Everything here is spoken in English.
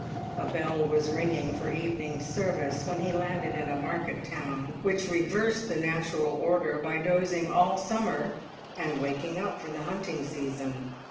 A bell was ringing for evening service when he landed in a market town which reversed the natural order by dozing all summer and waking up for the hunting season.